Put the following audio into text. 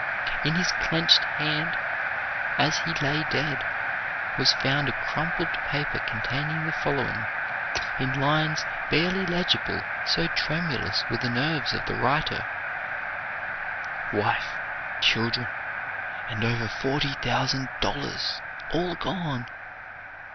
In his clenched hand, as he lay dead, was found a crumpled paper containing the following, in lines barely legible so tremulous were the nerves of the writer: "Wife, children, and over forty thousand dollars all gone!